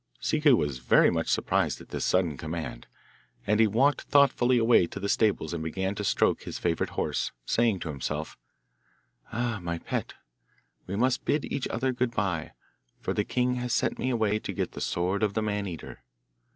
Ciccu was very much surprised at this sudden command, and he walked thoughtfully away to the stables and began to stroke his favourite horse, saying to himself, 'Ah, my pet, we must bid each other good bye, for the king has sent me away to get the sword of the Maneater.